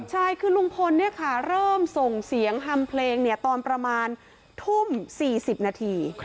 ใช่คือลุงพลเนี่ยค่ะเริ่มส่งเสียงฮัมเพลงเนี่ยตอนประมาณทุ่ม๔๐นาที